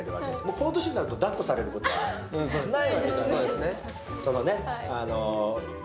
この年になるとだっこされることは、ないわけじゃないですか。